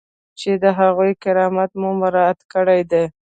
چې د هغوی کرامت مو مراعات کړی دی.